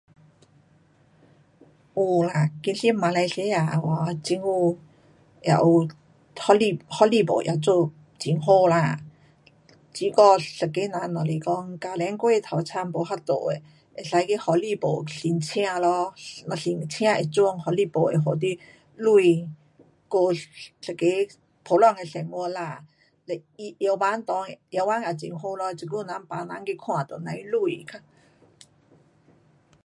有啦，其实马来西亚有哦，政府也有福利，福利部也做很好啦，如果一个人若是说家庭过头惨，没办法的，可以去福利部申请咯，若申请会准福利部会给你钱过一个普通的生活啦。嘞药房内，药房也很好，这久人病人去看都甭钱，较